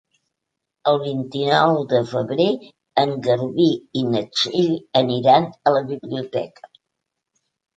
El vint-i-nou de febrer en Garbí i na Txell aniran a la biblioteca.